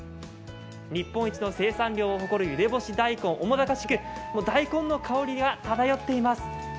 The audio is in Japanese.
日本一の生産量を誇るゆで干し大根、面高地区大根の香りが漂っています。